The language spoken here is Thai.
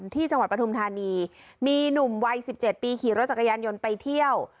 ที่จังหวัดปทุมธานีมีหนุ่มวัยสิบเจ็ดปีขี่รถจักรยานยนต์ไปเที่ยว